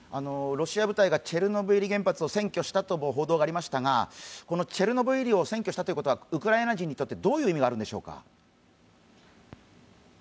ロシア部隊がチェルノブイリ原発を占拠したということがありましたがチェルノブイリを占拠したということはウクライナ人にとってどういう意味があるんでしょうか。